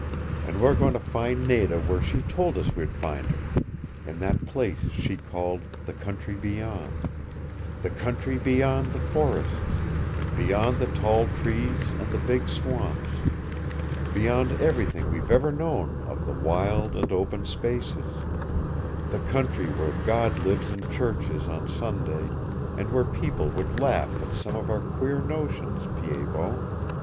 And we're going to find Nada where she told us we'd find her, in that place she called The Country Beyond the country beyond the forests, beyond the tall trees and the big swamps, beyond everything we've ever known of the wild and open spaces; the country where God lives in churches on Sunday and where people would laugh at some of our queer notions, Pied Bot.